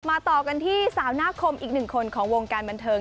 ต่อกันที่สาวหน้าคมอีกหนึ่งคนของวงการบันเทิง